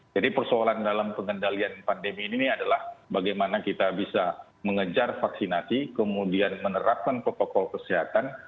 jadi persoalan dalam pengendalian pandemi ini adalah bagaimana kita bisa mengejar vaksinasi kemudian menerapkan kekokol kesehatan